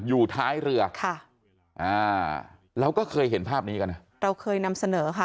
อยู่ท้ายเรือค่ะอ่าเราก็เคยเห็นภาพนี้กันนะเราเคยนำเสนอค่ะ